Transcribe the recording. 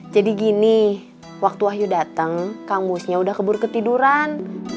jadi gini waktu wahyu dateng kang musnya udah kebur ketiduran